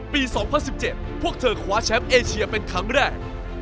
๒๐๑๗พวกเธอคว้าแชมป์เอเชียเป็นครั้งแรก